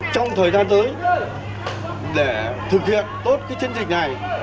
trong thời gian tới để thực hiện tốt cái chiến dịch này